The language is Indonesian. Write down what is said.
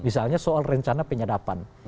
soal rencana penyadapan